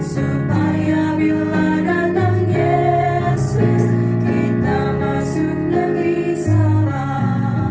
supaya bila datang yesus kita masuk negeri salam